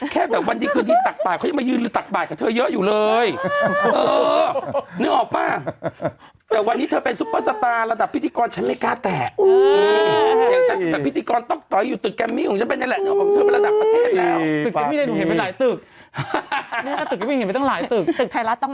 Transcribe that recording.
เขาเรียกว่าไปดูโคโยตี้เต้น